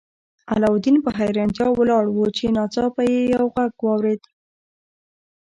علاوالدین په حیرانتیا ولاړ و چې ناڅاپه یې یو غږ واورید.